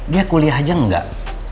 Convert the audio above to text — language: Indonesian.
dia kuliah aja nggak